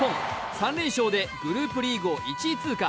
３連勝でグループリーグを１位通過。